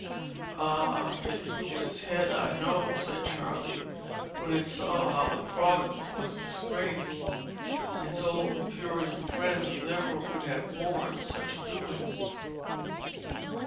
"Ah, it drooped its head, I know," said Charley, "when it saw how the province was disgraced. Its old Puritan friends never would have borne such doings."